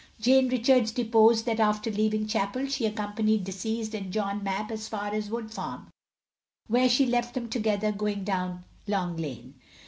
Jane Richards deposed that after leaving chapel she accompanied deceased and John Mapp as far as Wood Farm, where she left them together going down Long lane.